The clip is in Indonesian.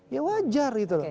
ya wajar itu loh